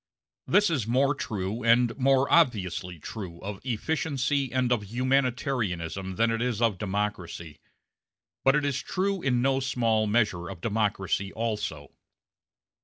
This is more true, and more obviously true, of efficiency and of humanitarianism than it is of democracy; but it is true in no small measure of democracy also.